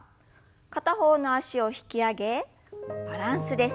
片方の脚を引き上げバランスです。